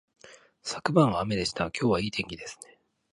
昨晩は雨でしたが、今日はいい天気ですね